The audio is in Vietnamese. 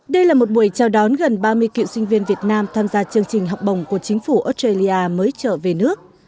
đây là một buổi chào đón gần ba mươi cựu sinh viên việt nam tham gia chương trình học bồng của chính phủ australia mới trở về nước